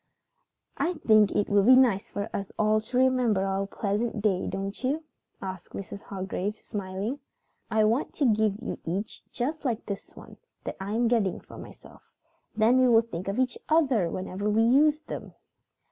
"I think it would be nice for us all to remember our pleasant day, don't you?" asked Mrs. Hargrave, smiling. "I want to give you each one just like this one that I am getting for myself. Then we will think of each other whenever we use them."